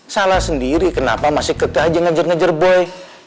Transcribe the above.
salah sendiri kenapa masih keke aja ngajar ngajar boy